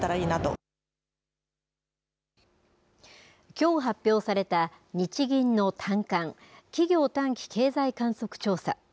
きょう発表された日銀の短観・企業短期経済観測調査。